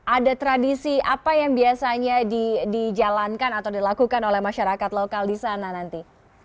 ada tradisi apa yang biasanya dijalankan atau dilakukan oleh masyarakat lokal di sana nanti